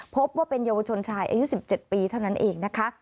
พบว่าเป็นเยาวชนชายอายุ๑๗ปีเท่านั้นเองนะคะ